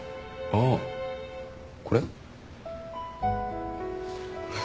ああこれ？